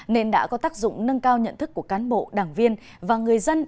nên đã có tác dụng nâng cao nhận thức của cán bộ đảng viên và người dân